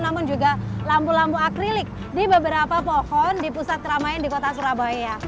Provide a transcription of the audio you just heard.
namun juga lampu lampu akrilik di beberapa pohon di pusat keramaian di kota surabaya